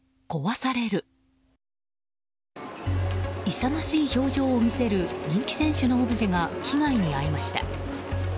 勇ましい表情を見せる人気選手のオブジェが被害に遭いました。